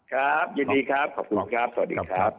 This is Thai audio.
ครับยินดีครับขอบคุณครับสวัสดีครับ